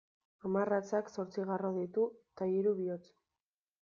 Hamarratzak zortzi garro ditu eta hiru bihotz.